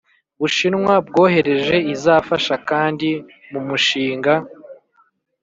Bushinwa bwohereje izafasha kandi mu mushinga